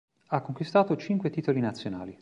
Ha conquistato cinque titoli nazionali.